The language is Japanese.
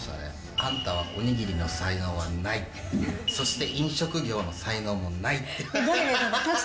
あんたはお握りの才能はない、そして飲食業の才能もないって。